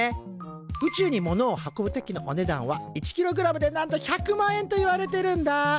宇宙にものを運ぶ時のお値段は１ｋｇでなんと１００万円といわれてるんだ。